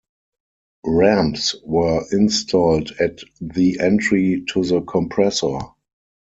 Ramps were installed at the entry to the compressor.